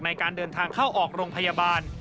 ในการเดินทางเข้าออกโรงพยาบาล